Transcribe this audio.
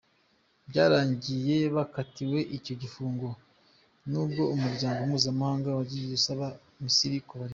Byarangiye bakatiwe icyo gifungo, n’ubwo umuryango mpuzamahanga wagiye usaba Misiri kubarekura.